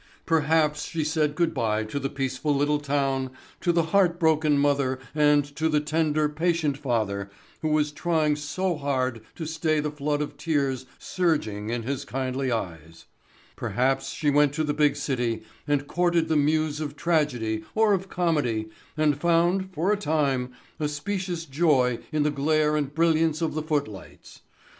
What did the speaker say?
"Perhaps she said good bye to the peaceful little town, to the heart broken mother and to the tender, patient father who was trying so hard to stay the flood of tears surging in his kindly eyes; perhaps she went to the big city and courted the muse of tragedy or of comedy and found, for a time, a specious joy in the glare and brilliance of the footlights.